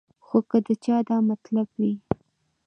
خو کۀ د چا دا مطلب وي